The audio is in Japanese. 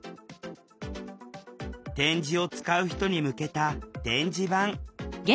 点字を使う人に向けた「点字版」。